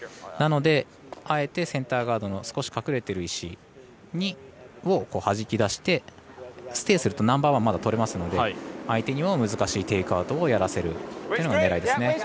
なので、あえてセンターガードの少し隠れている石をはじき出して、ステイするとまだ、ナンバーワンとれますので相手にも難しいテイクアウトをやらせるというのが狙いですね。